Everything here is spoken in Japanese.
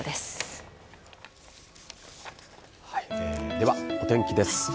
では、お天気です。